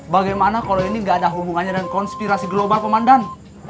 bagaimana kalau ini nggak ada hubungannya dengan konspirasi global komandan